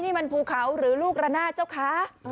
นี่มันภูเขาหรือลูกระนาดเจ้าค้า